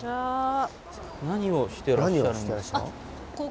何をしてらっしゃるんですか？